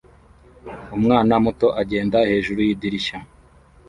Umwana muto ugenda hejuru yidirishya